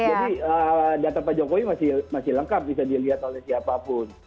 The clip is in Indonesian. jadi data pak jokowi masih lengkap bisa dilihat oleh siapapun